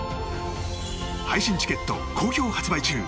配信チケット好評発売中！